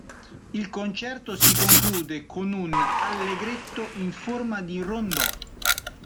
Il concerto si conclude con un "Allegretto" in forma di rondò.